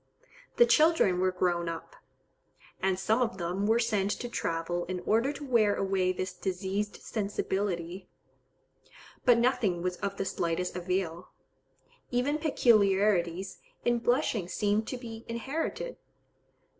The children were grown up; "and some of them were sent to travel in order to wear away this diseased sensibility, but nothing was of the slightest avail." Even peculiarities in blushing seem to be inherited.